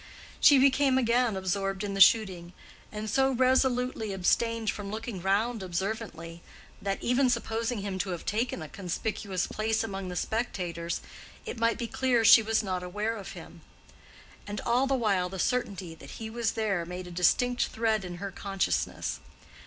She became again absorbed in the shooting, and so resolutely abstained from looking round observantly that, even supposing him to have taken a conspicuous place among the spectators, it might be clear she was not aware of him. And all the while the certainty that he was there made a distinct thread in her consciousness.